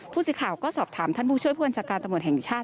ผู้สื่อข่าวก็สอบถามท่านผู้ช่วยผู้บัญชาการตำรวจแห่งชาติ